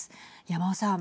山尾さん。